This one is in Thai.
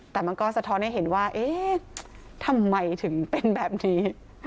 แต่มันก็สะท้อนให้เห็นว่าเอ๊ะทำไมถึงเป็นแบบนี้